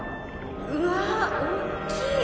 うわおっきい。